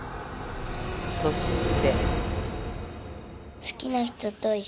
そして。